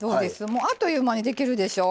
もうあっという間にできるでしょ。